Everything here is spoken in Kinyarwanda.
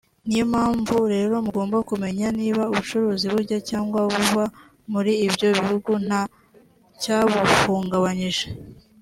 niyo mpamvu rero mugomba kumenya niba ubucuruzi bujya cyangwa ubuva muri ibyo bihugu nta cyabuhungabanyije